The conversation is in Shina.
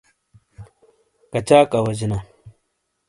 کچاک اوجینا؟